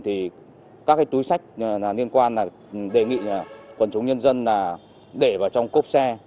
thì các cái túi sách liên quan là đề nghị quần chúng nhân dân là để vào trong cốp xe